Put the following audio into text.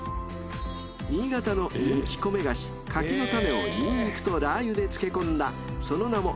［新潟の人気米菓子柿の種をニンニクとラー油で漬け込んだその名も］